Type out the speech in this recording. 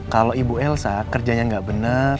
kalau ibu elsa kerjanya nggak benar